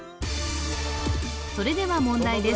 それでは問題です